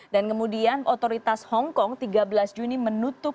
dan kemudian otoritas hongkong tiga belas juni menutup